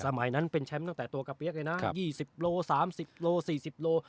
สมัยนั้นเป็นแชมป์ตั้งแต่ตัวกับเบี๊ยกเลยน่ะครับยี่สิบโลสามสิบโลสี่สิบโล